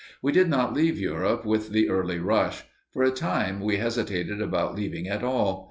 We did not leave Europe with the early rush. For a time we hesitated about leaving at all.